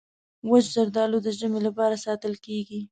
وچ زردالو د ژمي لپاره ساتل کېږي.